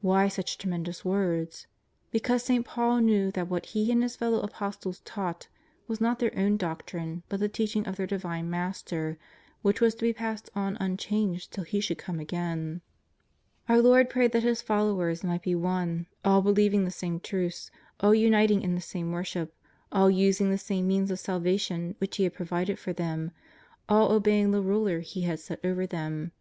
Why such tremendous w^ords? Because St. Paul knew that what he and his fellow Apostles taught was not their own doctrine, but the teaching of their Divine Master, which was to be passed on unchanged t ill He should come again. Our Lord prayed that His followers might be one, all believing the same truths, all uniting in the same worship, all using the same means of salvation which He had provided for them, all obeying the ruler He had set over them.